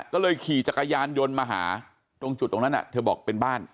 ก็เลยขี่จักรยานยนต์มาหาตรงจุดตรงนั้นเธอบอกเป็นบ้าน